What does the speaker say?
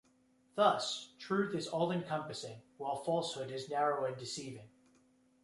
Thus, truth is all-encompassing, while falsehood is narrow and deceiving.